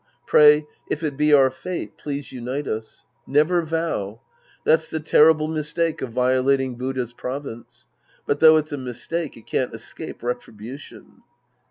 Pray, "If it be our fate, please unite us." Never vow. That's the terrible mistake of violating Buddha's province. But though it's a mistake, it can't escape retribution.